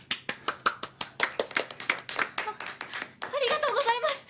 ありがとうございます！